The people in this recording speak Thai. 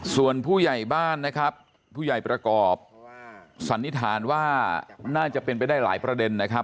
ส่วนผู้ใหญ่บ้านนะครับผู้ใหญ่ประกอบสันนิษฐานว่าน่าจะเป็นไปได้หลายประเด็นนะครับ